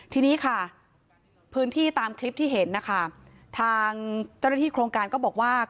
ทีนี้ค่ะพื้นที่ตามคลิปที่เห็นนะคะทางเจ้าหน้าที่โครงการก็บอกว่า